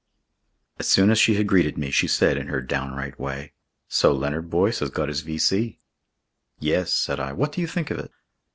As soon as she had greeted me, she said in her downright way: "So Leonard Boyce has got his V.C." "Yes," said I. "What do you think of it?"